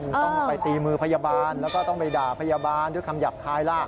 ต้องไปตีมือพยาบาลแล้วก็ต้องไปด่าพยาบาลด้วยคำหยาบคายล่ะ